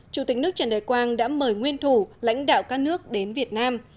chủ tịch nước trần đại quang đã mời nguyên thủ lãnh đạo các nước đến việt nam